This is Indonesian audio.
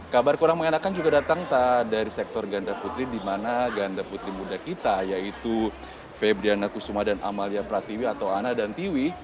kabar kurang mengenakan juga datang dari sektor ganda putri di mana ganda putri muda kita yaitu febriana kusuma dan amalia pratiwi atau ana dan tiwi